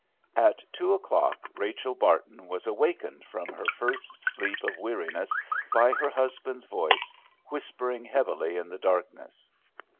At two o'clock Rachel Barton was awakened from her first sleep of weariness by her husband's voice, whispering heavily in the darkness.